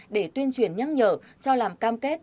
để tuyên truyền nhắc nhở cho làm cam kết